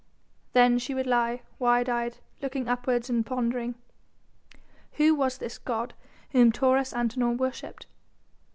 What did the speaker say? Then she would lie, wide eyed, looking upwards and pondering. Who was this god whom Taurus Antinor worshipped?